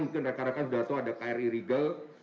mungkin rekarakan sudah tahu ada kri riga